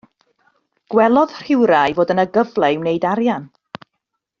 Gwelodd rhywrai fod yno gyfle i wneud arian.